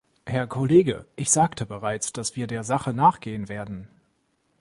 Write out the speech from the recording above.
Herr Kollege, ich sagte bereits, dass wir der Sache nachgehen werden!